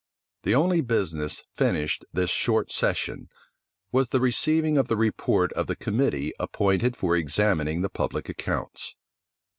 The only business finished this short session, was the receiving of the report of the committee appointed for examining the public accounts.